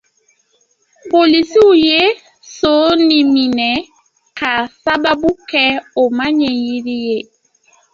Polisiw ye son in minɛ k'a sababu kɛ o maaɲɛ jiri ye.